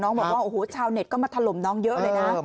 บอกว่าโอ้โหชาวเน็ตก็มาถล่มน้องเยอะเลยนะ